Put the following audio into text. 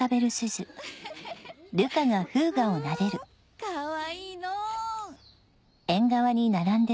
んかわいいのう。